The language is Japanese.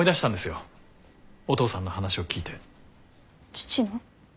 父の？